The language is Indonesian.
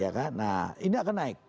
ya kan nah ini akan naik